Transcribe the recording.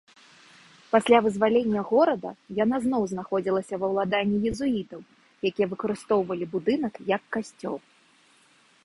Пасля вызваленне горада яна зноў знаходзілася ва ўладанні езуітаў, якія выкарыстоўвалі будынак як касцёл.